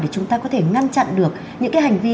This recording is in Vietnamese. để chúng ta có thể ngăn chặn được những hành vi